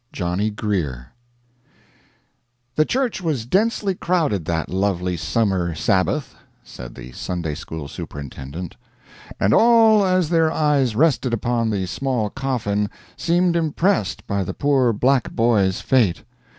JOHNNY GREER "The church was densely crowded that lovely summer Sabbath," said the Sunday school superintendent, "and all, as their eyes rested upon the small coffin, seemed impressed by the poor black boy's fate.